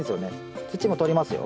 土も取りますよ。